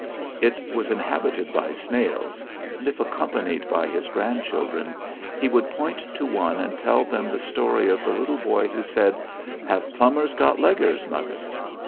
It was inhabited by snails, and if accompanied by his grandchildren, he would point to one and tell them the story of the little boy who said: 'Have plummers got leggers, Mother?